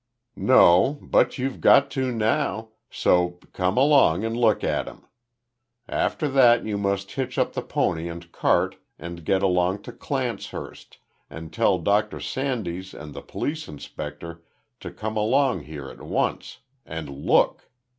"No, but you've got to now, so come along and look at him. After that you must hitch up the pony and cart, and get along to Clancehurst, and tell Dr Sandys and the Police Inspector to come along here at once. And look.